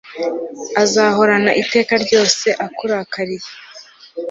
azahorana iteka ryose akurakariye